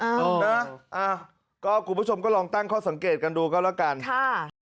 นะก็คุณผู้ชมก็ลองตั้งข้อสังเกตกันดูก็แล้วกันค่ะ